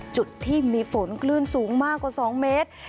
จุดที่มีฝนคลื่นสูงมากกว่า๒เมตร